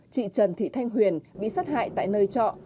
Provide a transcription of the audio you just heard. chị trần thị thanh huyền bị sát hại tại nơi trọ